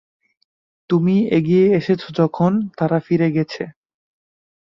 তুমি এগিয়ে এসেছো যখন তারা ফিরে গছে।